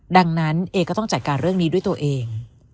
ดังนั้นเอก็ต้องจัดการเรื่องนี้ด้วยตัวเอง